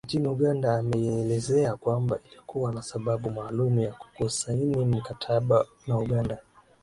Nchini Uganda ameelezea kwamba ilikuwa na sababu maalum ya kukusaini mkataba na Uganda